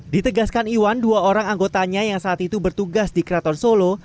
ditegaskan iwan dua orang anggotanya yang saat itu bertugas di keraton solo